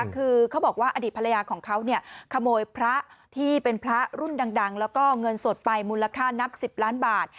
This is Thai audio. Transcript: คือเขาบอกว่าอดีตภรรยาของเขาขโมยพระที่เป็นพระรุ่นดังแล้วก็เงินสดไปมูลค่านับ๑๐ล้านบาท